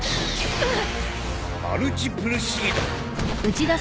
うっ！